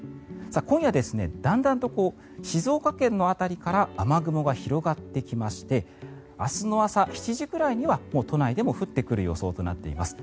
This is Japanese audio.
今夜、だんだんと静岡県の辺りから雨雲が広がってきまして明日の朝７時くらいにはもう都内でも降ってくる予想となっています。